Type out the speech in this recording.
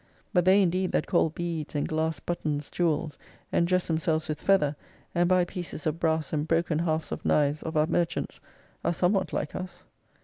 But they indeed that call beads and glass buttons jewels, and dress themselves with feather, and buy pieces of brass and broken hafts of knives of our merchants are somewhat like us.